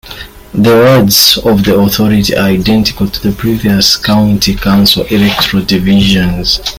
The wards of the authority are identical to the previous county council electoral divisions.